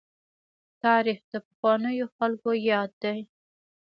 تاريخ د پخوانیو خلکو ياد دی.